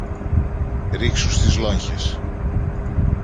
Ρίξου στις λόγχες